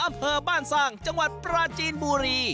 อำเภอบ้านสร้างจังหวัดปราจีนบุรี